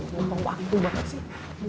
gampang wanggu banget sih